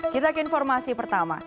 kita ke informasi pertama